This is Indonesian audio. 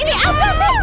ini apa sih